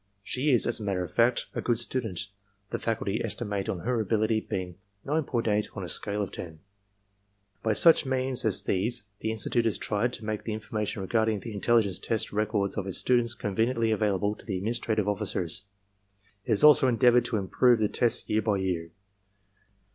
She is, as a matter of fact, a good student, the faculty estimate on her ability being 9.8 on a scale of 10. TESTS IN STUDENTS' ARMY TRAINING CORPS 175 "By such means as these the Institute has tried to make the information regarding the intelligence test records of its students . conveniently available to the administrative officers: it has also endeavored to improve the tests year by year.